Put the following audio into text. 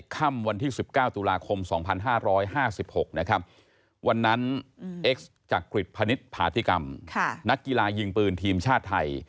ค่ำวันที่๑๙ตุลาคม๒๕๕๖วันนั้นเอ็กซจากกฤตภณิษฐ์ผาธิกรรมนักกีฬายิ่งปืนทีมชาติไทย